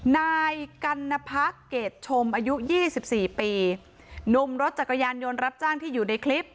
นายกัณภะเกดชมอายุ๒๔ปีนุ่มรถจักรยานยนต์รับจ้างที่อยู่ในคลิป